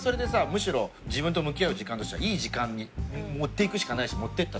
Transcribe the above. むしろ自分と向き合う時間としてはいい時間に持っていくしかないし持ってったさ。